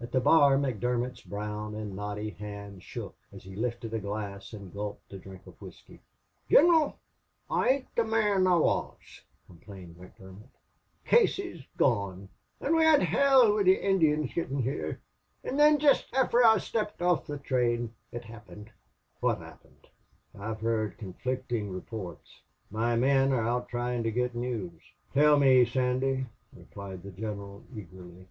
At the bar McDermott's brown and knotty hand shook as he lifted a glass and gulped a drink of whisky. "Gineral, I ain't the mon I wuz," complained McDermott. "Casey's gone! An' we had hell wid the Injuns gittin' here. An' thin jest afther I stepped off the train it happened." "What happened? I've heard conflicting reports. My men are out trying to get news. Tell me, Sandy," replied the general, eagerly.